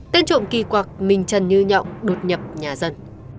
tên trộm kỳ quạc mình trần như nhọng đột nhập nhà dân